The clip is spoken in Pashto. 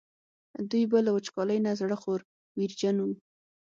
دوی به له وچکالۍ نه زړه خوړ ویرجن وو.